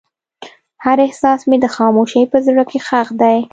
هر احساس مې د خاموشۍ په زړه کې ښخ دی.